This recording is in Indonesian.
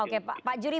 oke pak juri